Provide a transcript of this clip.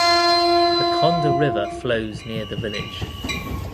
The Konda River flows near the village.